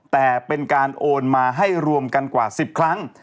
แต่เป็นการโอนมาให้รวมกันกว่า๑๐ครั้ง